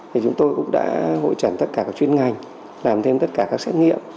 thì chúng tôi cũng đã hội trần tất cả các chuyên ngành làm thêm tất cả các xét nghiệm